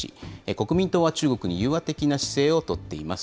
国民党は中国に融和的な姿勢を取っています。